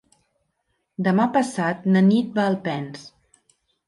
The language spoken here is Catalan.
Demà passat na Nit va a Alpens.